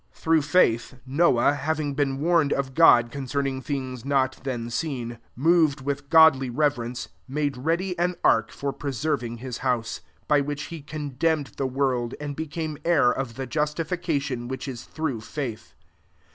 7 Through faith, Noah, hav ing been warned of God con cerning things not then seen, moved with godly reverence, made ready an ark for preserv ing his house : by which he condemned the world, and be came heir of the justification which is through faith.